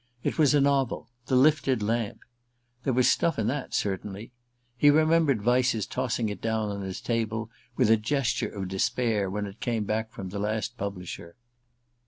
It was a novel: "The Lifted Lamp." There was stuff in that, certainly. He remembered Vyse's tossing it down on his table with a gesture of despair when it came back from the last publisher.